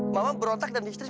mama berontak dan listris